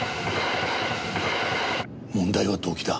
問題は動機だ。